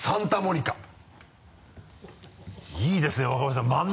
いいですよ若林さん！